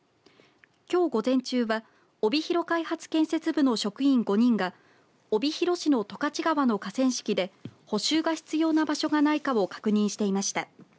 きょう午前中は帯広開発建設部の職員５人が帯広市の十勝川の河川敷で補修が必要な場所がないかを確認していました。